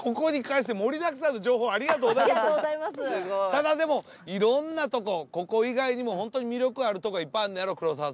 ただでもいろんなとこここ以外にもホントに魅力あるとこいっぱいあんねやろ黒沢さん。